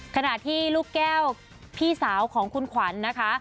ขณะที่ลูกแก้วพี่สาวของคุณขวัญนะคะ